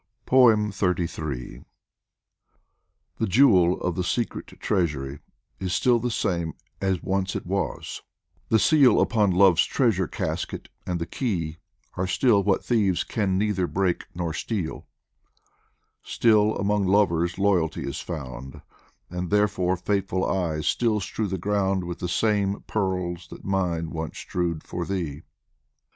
1 06 DIVAN OF HAFIZ XXXIII THE jewel of the secret treasury Is still the same as once it was ; the seal Upon Love's treasure casket, and the key, Are still what thieves can neither break nor steal ; Still among lovers loyalty is found, And therefore faithful eyes still strew the ground With the same pearls that mine once strewed for thee.